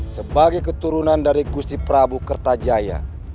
sebagai keturunan dari kursi prabu kertajaya